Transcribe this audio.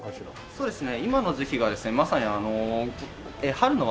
そうですね